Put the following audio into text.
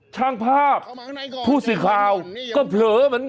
ช่างภาพผู้สื่อข่าวก็เผลอเหมือนกัน